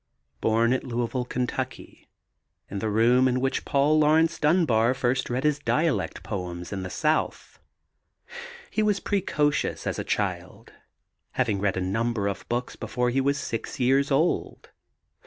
Born at Louisville, Kentucky, in the room in which Paul Laurence Dunbar first read his dialect poems in the South. He was precocious as a child, having read a number of books before he was six years old.